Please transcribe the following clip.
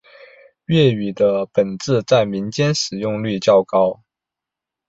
粤语的本字在民间的使用率较高。